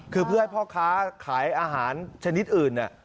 คือเพื่อให้พ่อค้าขายอาหารชนิดอื่น